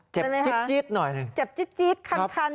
เจ็บจิ๊ดหน่อยหนึ่ง